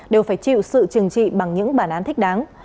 đều phải chịu sự trừng trị bằng những bản án thích đáng